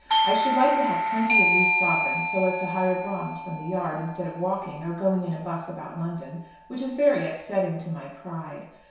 I should like to have plenty of loose sovereigns, so as to hire broughams from the yard, instead of walking, or going in a 'bus about London, which is very upsetting to my pride.